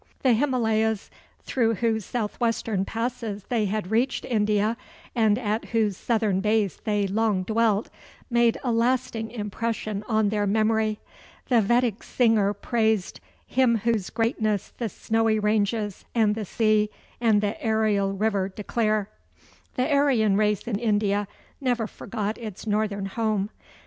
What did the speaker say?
The Himalayas, through whose southwestern passes they had reached India, and at whose southern base they long dwelt, made a lasting impression on their memory. The Vedic singer praised "Him whose greatness the snowy ranges, and the sea, and the aerial river declare." The Aryan race in India never forgot its northern home.